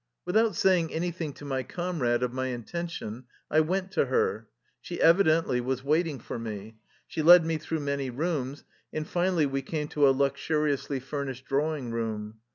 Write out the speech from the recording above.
Without saying anything to my comrade of my intention I went to her. She evidently was waiting for me. She led me through many rooms, and finally we came to a luxuriously fur nished drawing room.